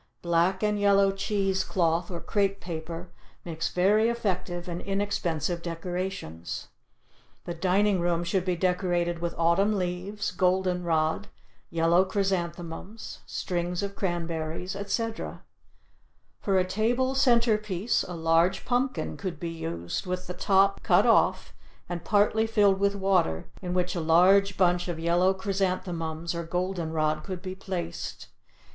Black and yellow cheese cloth or crepe paper makes very effective and inexpensive decorations. The dining room should be decorated with autumn leaves, golden rod, yellow chrysanthemums, strings of cranberries, etc. For a table center piece a large pumpkin could be used with the top cut off and partly filled with water in which a large bunch of yellow chrysanthemums or golden rod could be placed.